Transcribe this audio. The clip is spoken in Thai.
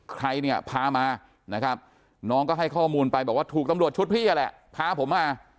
ใครเนี่ยพามานะครับน้องก็ให้ข้อมูลไปบอกว่าถูกตำรวจชุดพี่นั่นแหละพาผมมา